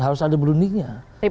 harus ada berundingnya